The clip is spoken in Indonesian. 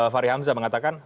fahri hamzah mengatakan